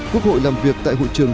quốc hội làm việc tại hội trường